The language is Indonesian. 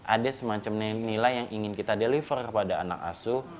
ada semacam nilai yang ingin kita deliver kepada anak asuh